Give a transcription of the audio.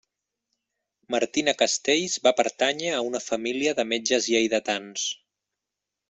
Martina Castells va pertànyer a una família de metges lleidatans.